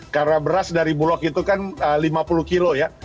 karena beras dari bulog itu kan lima puluh kilo ya